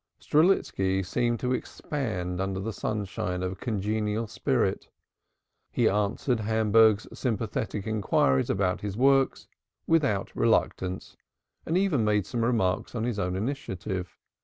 Strelitski seemed to expand under the sunshine of a congenial spirit; he answered Hamburg's sympathetic inquiries about his work without reluctance and even made some remarks on his own initiative.